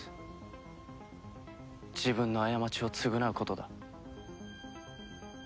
自分の過ちを償うことだ。